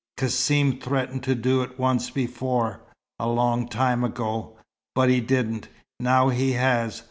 "Cassim threatened to do it once before a long time ago but he didn't. Now he has.